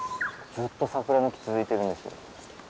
ずっと桜の木続いているんですよ